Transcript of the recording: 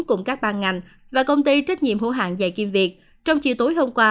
cùng các ban ngành và công ty trách nhiệm hữu hạng dạy kiêm việc trong chiều tối hôm qua